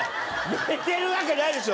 寝てるわけないでしょ！